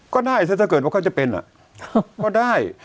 ก็ได้ถ้าเกิดว่าเขาจะเป็นก็ได้